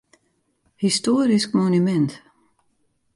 Histoarysk monumint.